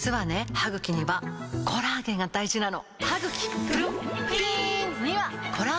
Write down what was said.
歯ぐきにはコラーゲンが大事なの！